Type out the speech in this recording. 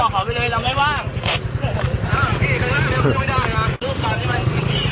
ขอไว้เลยเราไม่ว่าง